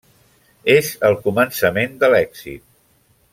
És el començament de l'èxit.